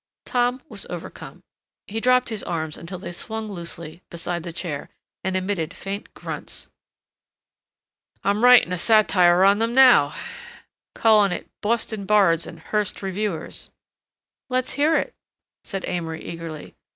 Tom was overcome. He dropped his arms until they swung loosely beside the chair and emitted faint grunts. "I'm writing a satire on 'em now, calling it 'Boston Bards and Hearst Reviewers.'" "Let's hear it," said Amory eagerly.